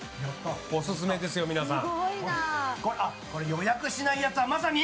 オススメですよ、皆さん。